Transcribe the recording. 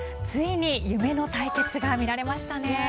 ついに夢の対決が見られましたね。